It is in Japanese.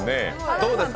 どうですか？